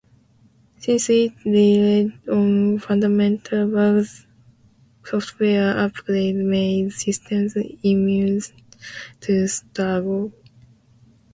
Since it relied on fundamental bugs, software upgrades made systems immune to Staog.